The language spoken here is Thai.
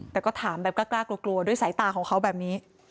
แต่ก็ถามแบบกล้ากลัวด้วยสายตาของเขาแบบนี้